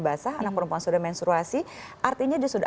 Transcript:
basah anak perempuan sudah menstruasi artinya dia sudah